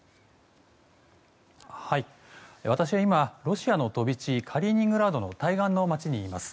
私は今、ロシアの飛び地カリーニングラードの対岸の街にいます。